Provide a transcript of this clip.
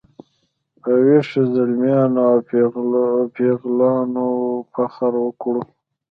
په ویښو زلمیانو او پیغلانو فخر وکړو.